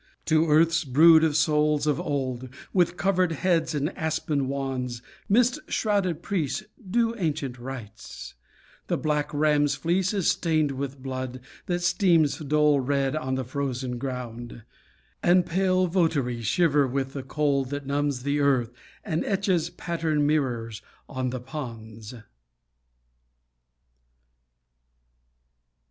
To earth's brood of souls of old, With covered heads and aspen wands, Mist shrouded priests do ancient rites; The black ram's fleece is stained with blood, That steams, dull red on the frozen ground; And pale votaries shiver with the cold, That numbs the earth, and etches patterned mirrors on the ponds.